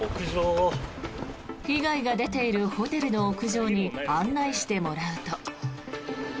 被害が出ているホテルの屋上に案内してもらうと。